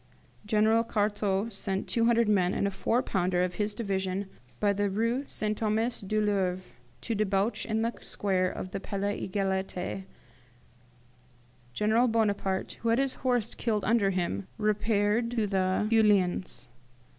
General Cartaux sent two hundred men and a four pounder of his division by the Rue St. Thomas du Louvre to debouch in the square of the Palais Egalite. General Bonaparte, who had his horse killed under him, repaired to the Feuillans.